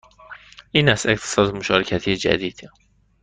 این است اقتصاد مشارکتی جدید